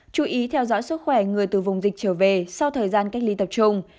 chú ý theo dõi sức khỏe người từ vùng dịch trở về sau thời gian cách ly tập trung